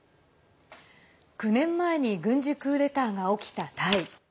９年前に軍事クーデターが起きたタイ。